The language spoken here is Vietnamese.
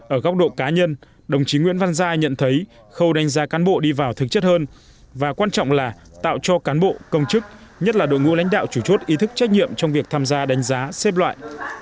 ở góc độ cá nhân đồng chí nguyễn văn giai nhận thấy khâu đánh giá cán bộ đi vào thực chất hơn và quan trọng là tạo cho cán bộ công chức nhất là đội ngũ lãnh đạo chủ chốt ý thức trách nhiệm trong việc tham gia đánh giá xếp loại